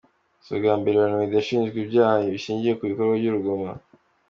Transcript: Si ubwa mbere Olomide ashinjwe ibyaha bishingiye ku bikorwa by'urugomo.